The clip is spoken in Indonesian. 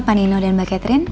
panino dan mbak catherine